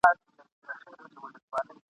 چي په لار کي ترابان نه یې وژلی !.